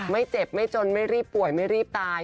ไม่เจ็บไม่จนไม่รีบป่วยไม่รีบตาย